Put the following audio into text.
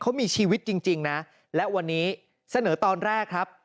เขามีชีวิตจริงนะและวันนี้เสนอตอนแรกครับ